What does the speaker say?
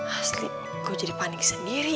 asli gue jadi panik sendiri ya